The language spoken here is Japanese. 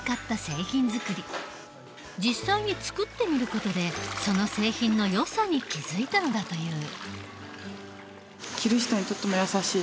実際に作ってみる事でその製品のよさに気付いたのだという。